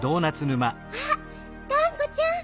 あっがんこちゃん。